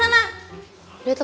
paling paling juga ke facebook